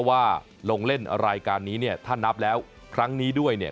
ว่าลงเล่นรายการนี้เนี่ยถ้านับแล้วครั้งนี้ด้วยเนี่ย